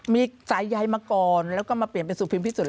มีสายใยมาก่อนแล้วก็มาเปลี่ยนเป็นสุพิมพิสุท